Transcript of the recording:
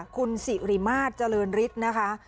คุณสิริมาตรเจริญฤทธิ์นะคะ